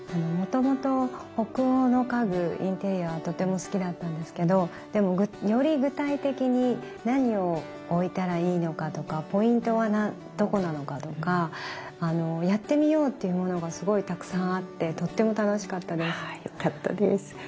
もともと北欧の家具インテリアはとても好きだったんですけどでもより具体的に何を置いたらいいのかとかポイントはどこなのかとかやってみようっていうものがすごいたくさんあってとっても楽しかったです。